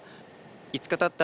５日たった